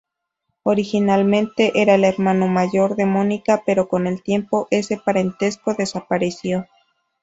Originalmente era el hermano mayor de Mónica pero con el tiempo ese parentesco desapareció.